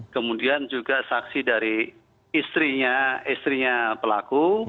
kemudian juga saksi dari istrinya istrinya pelaku